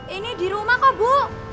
ini di rumah kok bu